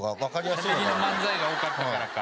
しゃべりの漫才が多かったからか。